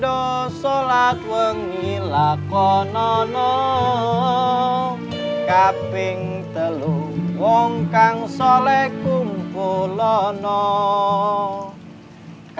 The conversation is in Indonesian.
ayo cepat kita minta uang tebusan pak